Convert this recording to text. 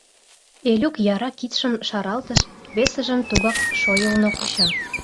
Элюк яра кидшым шаралтыш, весыжым тугак шойылно куча.